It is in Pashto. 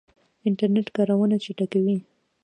انټرنیټ کارونه چټکوي